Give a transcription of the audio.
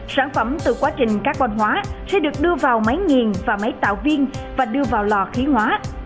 sản phẩm từ quá trình carbon hóa sẽ được đưa vào máy nghiền và máy tạo viên và đưa vào lò khí hóa